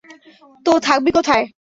তো, থাকবি কোথায়?